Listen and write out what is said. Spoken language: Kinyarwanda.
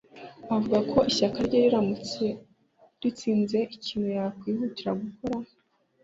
Avugako ishyaka rye ritsinze ikintu yakwihutira gukora